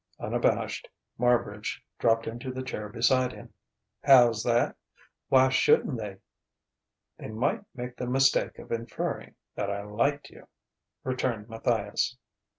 Unabashed, Marbridge dropped into the chair beside him. "How's that? Why shouldn't they?" "They might make the mistake of inferring that I liked you," returned Matthias.